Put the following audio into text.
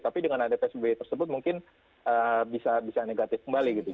tapi dengan ada psbb tersebut mungkin bisa negatif kembali gitu